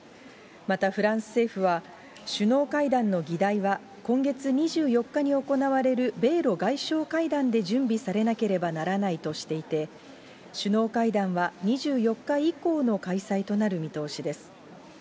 またフランス政府は、首脳会談の議題は、今月２４日に行われる米ロ外相会談で準備されなければならないとしていて、首脳会談は２４日以降の開催となる見通しです。